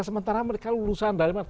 sementara mereka lulusan dari mana